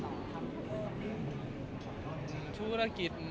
อืมธุรกิจ